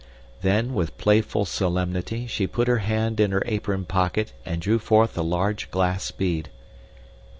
Then, with playful solemnity, she put her hand in her apron pocket and drew forth a large glass bead.